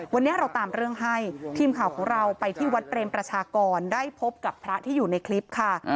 วันนี้เราตามเรื่องให้ทีมข่าวของเราไปที่วัดเปรมประชากรได้พบกับพระที่อยู่ในคลิปค่ะ